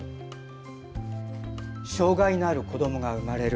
障害のある子どもが生まれる。